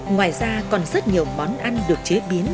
ngoài ra còn rất nhiều món ăn được chế biến